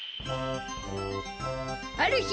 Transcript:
ある日